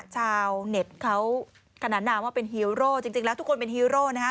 ชาวเน็ตเขาขนานนามว่าเป็นฮีโร่จริงแล้วทุกคนเป็นฮีโร่นะฮะ